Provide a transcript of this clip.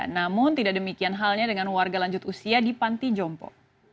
namun tidak demikian halnya dengan warga lanjut usia di panti jompo